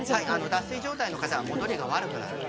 脱水状態の方は戻りが悪くなる。